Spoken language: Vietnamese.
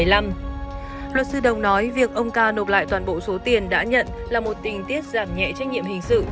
luật sư đồng nói việc ông ca nộp lại toàn bộ số tiền đã nhận là một tình tiết giảm nhẹ trách nhiệm hình sự